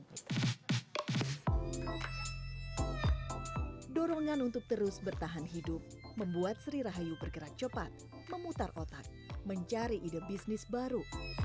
dorongan untuk terus bertahan hidup membuat sri rahayu bergerak cepat memutar otak mencari ide bisnis baru